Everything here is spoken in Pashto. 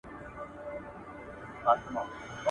• چي کور ودان، د ورور ودان.